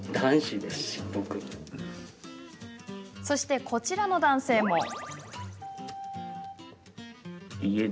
そして、こちらの男性も。